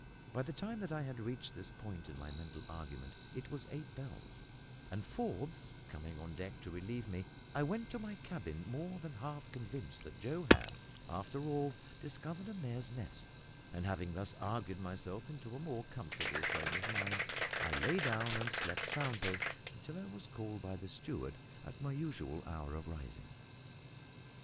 By the time that I had reached this point in my mental argument it was eight bells, and, Forbes coming on deck to relieve me, I went to my cabin more than half convinced that Joe had, after all, discovered a mare's nest; and having thus argued myself into a more comfortable frame of mind, I lay down and slept soundly until I was called by the steward at my usual hour of rising.